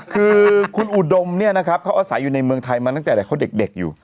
คือฮุนอุดมแสดงอยู่ในเมืองไทยมาตั้งแต่เด็ก